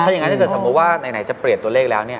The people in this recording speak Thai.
อย่างนั้นถ้าเกิดสมมุติว่าไหนจะเปลี่ยนตัวเลขแล้วเนี่ย